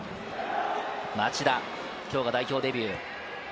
町田、きょうが代表デビュー。